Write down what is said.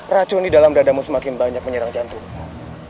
racun di dalam dadamu semakin banyak menyerang jantungmu